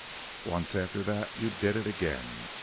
Once after that you did it again.